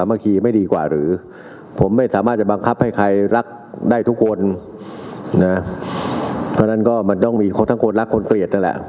เพราะฉะนั้นก็มันต้องมีคนทั้งคนรักคนเกลียดนั่นแหละ